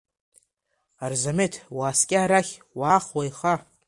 Арзамеҭ, уааскьа арахь, уаах уеиха!